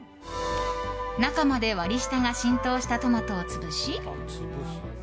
中まで割り下が浸透したトマトを潰し。